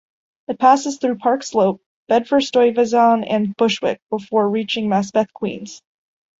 It passes through Park Slope, Bedford-Stuyvesant and Bushwick before reaching Maspeth, Queens.